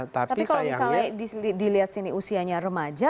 tapi kalau misalnya dilihat sini usianya remaja